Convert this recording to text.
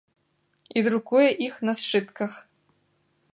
І друкуе іх на сшытках.